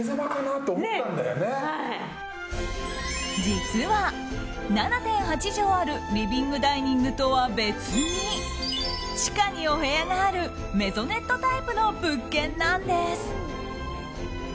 実は７．８畳あるリビングダイニングとは別に地下にお部屋があるメゾネットタイプの物件なんです。